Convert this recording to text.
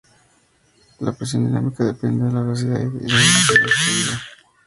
La presión dinámica depende de la velocidad y la densidad del fluido.